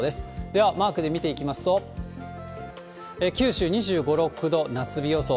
ではマークで見ていきますと、九州２５、６度、夏日予想。